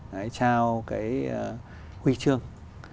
đã trao cái huy chương